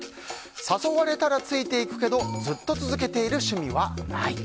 誘われたらついていくけどずっと続けている趣味はない。